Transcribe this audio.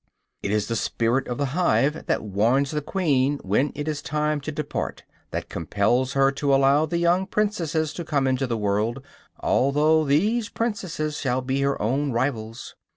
It is the "spirit of the hive" that warns the queen when it is time to depart, that compels her to allow the young princesses to come into the world, although these princesses shall be her own rivals.